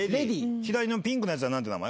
左のピンクのやつはなんて名前？